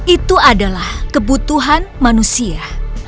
itu adalah kebutuhan manusia